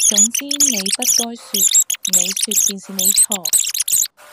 總之你不該説，你説便是你錯！」